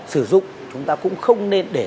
sử dụng chúng ta cũng không nên để